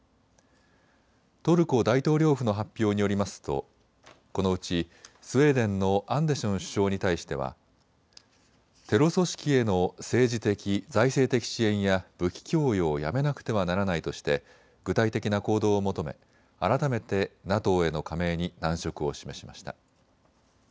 トルコ大統領府の発表によりますとこのうちスウェーデンのアンデション首相に対してはテロ組織への政治的、財政的支援や武器供与をやめなくてはならないとして具体的な行動を求め改めてＮＡＴＯへの加盟に難色を示しました。